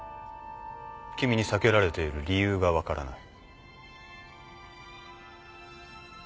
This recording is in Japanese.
君に避けられている理由が分からない。